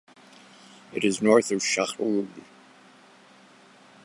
It is north of Shahrud.